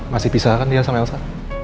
masih pisah kan dia sampai elsa